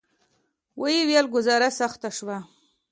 ویې ویل: ګوزاره سخته شوه.